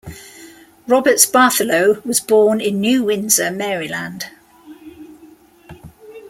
Roberts Bartholow was born in New Windsor, Maryland.